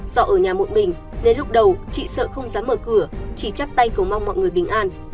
do ở nhà một mình nên lúc đầu chị sợ không dám mở cửa chỉ chắp tay cầu mong mọi người bình an